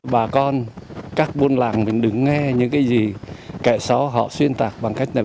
bà con các buôn làng mình đứng nghe những cái gì kẻ xó họ xuyên tạc bằng cách này